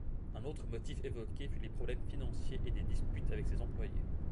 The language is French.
Un autre motif évoqué fut les problèmes financiers et des disputes avec ses employés.